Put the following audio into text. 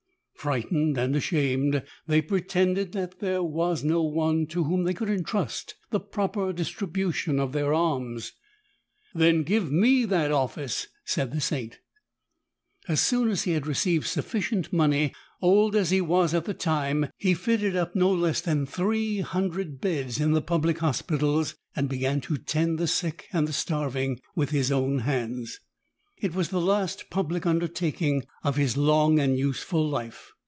Frightened and ashamed, they pretended that there was no one tO' whom they could entrust the proper distribution of their alms. "Then give me that office," said the Saint. As soon as he had received sufficient money, old as he was at the time he fitted up no less than three hundred beds in the public hospitals and began to tend the sick and the starving with his own hands. It was the last public un dertaking of his long and useful life.